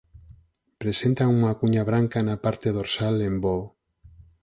Presentan unha cuña branca na parte dorsal en voo.